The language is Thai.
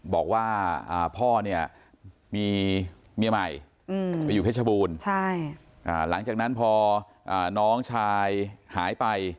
บอกว่าพ่อเนี่ยมีเมียใหม่ไปอยู่เพชรบูรณ์หลังจากนั้นพอน้องชายหายไป